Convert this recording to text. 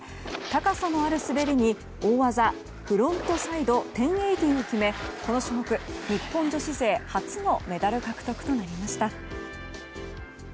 高さのある滑りに、大技フロントサイド１０８０を決めこの種目、日本女子勢初のメダル獲得となりました。